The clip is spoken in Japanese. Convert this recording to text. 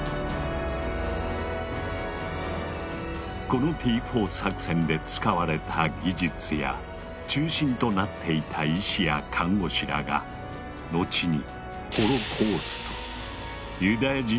このＴ４作戦で使われた技術や中心となっていた医師や看護師らが後にホロコーストユダヤ人